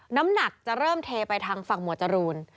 น้ำหนักจะเริ่มเทไปทางฝั่งหมวดจรูน